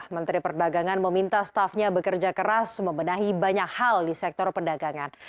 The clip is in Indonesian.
menteri perdagangan meminta staffnya bekerja keras membenahi banyak hal di sektor perdagangan